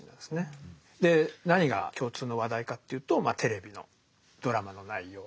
で何が共通の話題かっていうとテレビのドラマの内容。